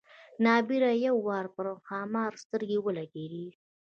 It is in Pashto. نا ببره یې یو وار پر ښامار سترګې ولګېدې.